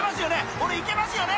俺いけますよね